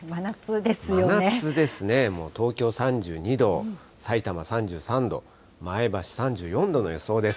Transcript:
真夏ですね、もう東京３２度、さいたま３３度、前橋３４度の予想です。